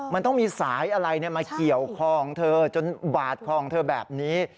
มันต้องมีสายอะไรมาเกี่ยวคอของเธอจนบาดคอของเธอแบบนี้